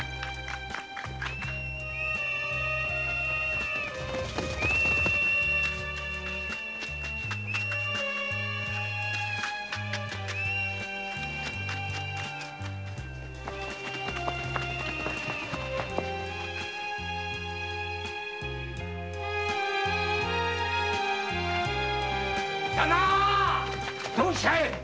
どうしたい？